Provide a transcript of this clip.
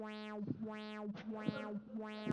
在历史上也是该州的重要产业。